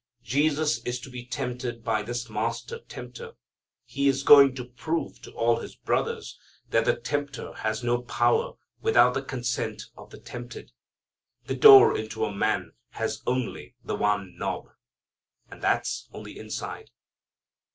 Jesus is to be tempted by this master tempter. He is going to prove to all his brothers that the tempter has no power without the consent of the tempted. The door into a man has only the one knob. And that's on the inside.